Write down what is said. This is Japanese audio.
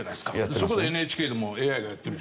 それこそＮＨＫでもＡＩがやってるでしょ？